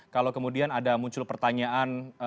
kalau kemudian ada muncul pertanyaan